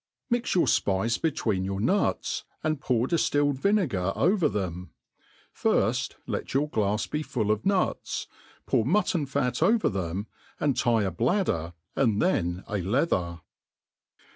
, Mix yoiir fpice between your nuts, and pour diftilled vinegar over them ; firft let your glafs be full of nuts, pour mutton lat over them, and lie a bladder, and then a leather